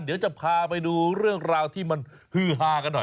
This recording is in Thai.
เดี๋ยวจะพาไปดูเรื่องราวที่มันฮือฮากันหน่อย